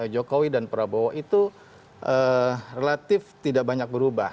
jokowi dan prabowo itu relatif tidak banyak berubah